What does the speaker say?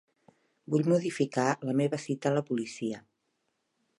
Vull modificar la meva cita a la policia.